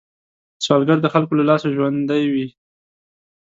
سوالګر د خلکو له لاسه ژوندی وي